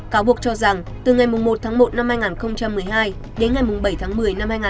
cáo buộc cho rằng từ ngày một tháng một năm hai nghìn một mươi hai đến ngày bảy tháng một